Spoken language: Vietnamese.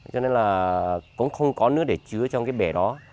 cho nên là cũng không có nước để chứa trong cái bể đó